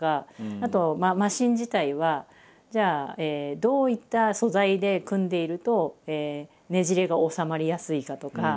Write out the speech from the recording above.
あとマシン自体はじゃあどういった素材で組んでいるとねじれが収まりやすいかとか。